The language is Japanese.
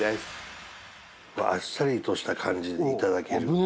あっさりとした感じで頂ける。